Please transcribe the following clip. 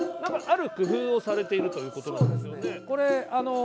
ある工夫をされているということなんですが。